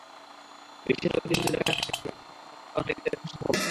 রিকশাচালক, দিনমজুরদের কাছ থেকে মূসক আদায় করা দোকানমালিকদের পক্ষে সম্ভব নয়।